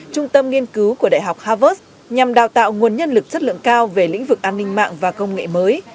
trung tâm nghiên cứu của đại học harvard nhằm đào tạo nguồn nhân lực chất lượng cao về lĩnh vực an ninh mạng và công nghệ mới